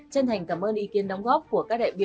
chân thành cảm ơn ý kiến này